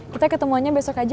kenapa disseearan meteo ke mu